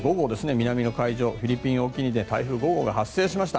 南の海上フィリピン沖にて台風５号が発生しました。